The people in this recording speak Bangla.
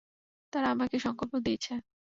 তারা আমাকে সংকল্প দিয়েছে।